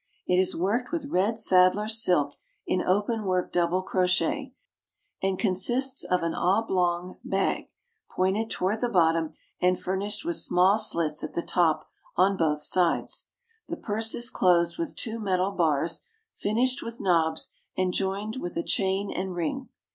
It is worked with red saddler's silk in open work double crochet, and consists of an oblong bag pointed toward the bottom, and furnished with small slits at the top on both sides. The purse is closed with two metal bars, finished with knobs, and joined with a chain and ring.